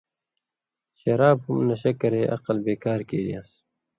شراب ہُم نشہ کرے عقل بے کار کیریان٘س